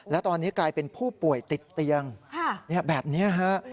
และตอนนี้กลายเป็นผู้ป่วยติดเตียงแบบนี้ฮะ